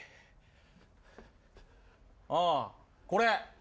ああこれ。